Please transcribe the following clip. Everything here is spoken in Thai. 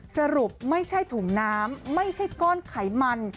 สรุปไม่ใช่ถุงน้ำไม่ใช่ก้อนไขมัน